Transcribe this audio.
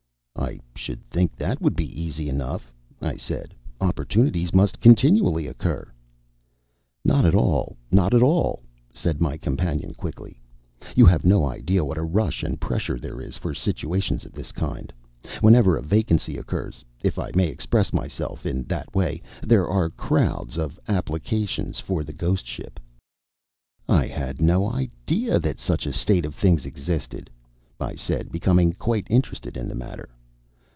"I should think that would be easy enough," I said. "Opportunities must continually occur." "Not at all! not at all!" said my companion quickly. "You have no idea what a rush and pressure there is for situations of this kind. Whenever a vacancy occurs, if I may express myself in that way, there are crowds of applications for the ghost ship." "I had no idea that such a state of things existed," I said, becoming quite interested in the matter.